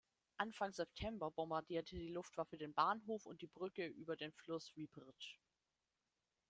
Anfang September bombardierte die Luftwaffe den Bahnhof und die Brücke über den Fluss Wieprz.